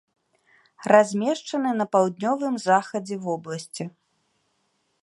Размешчаны на паўднёвым захадзе вобласці.